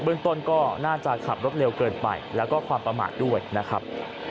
เรื่องต้นก็น่าจะขับรถเร็วเกินไปแล้วก็ความประมาทด้วยนะครับ